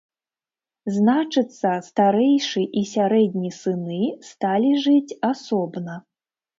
Значыцца, старэйшы і сярэдні сыны сталі жыць асобна.